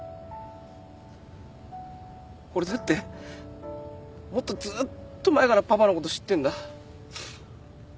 俺だってもっとずっと前からパパのこと知ってんだ。